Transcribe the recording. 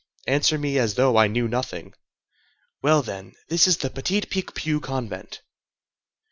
"Answer me as though I knew nothing." "Well, then, this is the Petit Picpus convent."